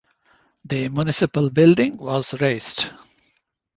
The municipal building was razed.